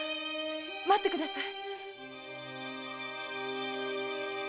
待ってください。